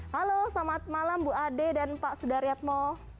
halo selamat malam bu ade dan pak sudaryatmo